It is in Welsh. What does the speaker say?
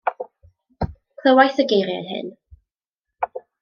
Clywais y geiriau hyn.